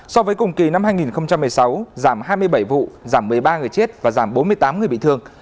so với cùng kỳ năm hai nghìn một mươi sáu giảm hai mươi bảy vụ giảm một mươi ba người chết và giảm bốn mươi tám người bị thương